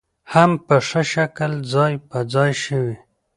هم په ښه شکل ځاى په ځاى شوې .